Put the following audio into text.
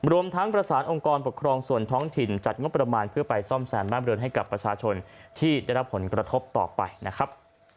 รวมทั้งประสานองค์กรปกครองส่วนท้องถิ่นจัดงบประมาณเพื่อไปซ่อมแซมบ้านเรือนให้กับประชาชนที่ได้รับผลกระทบต่อไปนะครับ